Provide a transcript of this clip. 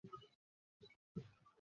এটা সত্যিই কাজে লাগবে।